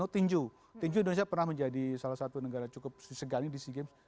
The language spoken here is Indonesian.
tuju indonesia pernah menjadi salah satu negara cukup segan di sea games